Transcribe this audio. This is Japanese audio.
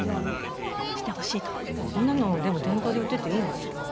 そんなの、でも店頭で売っていていいのかしら？